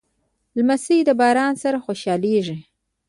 لمسی د باران سره خوشحالېږي.